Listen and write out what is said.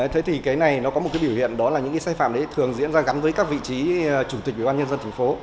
thế thì cái này nó có một cái biểu hiện đó là những cái sai phạm đấy thường diễn ra gắn với các vị trí chủ tịch ủy ban nhân dân thành phố